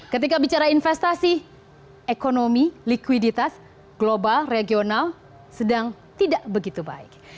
ketika bicara investasi ekonomi likuiditas global regional sedang tidak begitu baik